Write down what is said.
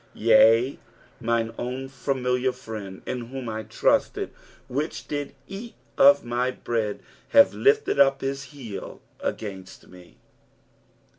9 Yea, mine own familiar friend, in whom I trusted, which did eat of my bread, hath lifted up his heel against me.